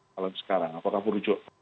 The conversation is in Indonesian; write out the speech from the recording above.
kalau sekarang apakah berujuk